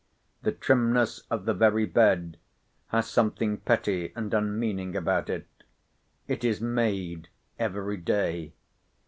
The trimness of the very bed has something petty and unmeaning about it. It is made every day.